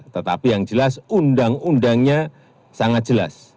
tetapi yang jelas undang undangnya sangat jelas